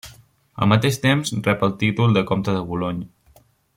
Al mateix temps, rep el títol de comte de Boulogne.